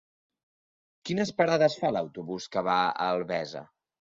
Quines parades fa l'autobús que va a Albesa?